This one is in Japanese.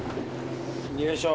よいしょ。